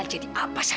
tidak ada foto